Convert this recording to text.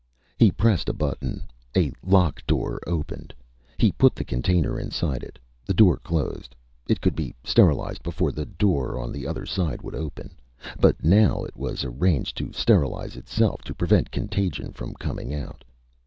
He pressed a button. A lock door opened. He put the container inside it. The door closed. It could be sterilized before the door on the other side would open, but now it was arranged to sterilize itself to prevent contagion from coming out.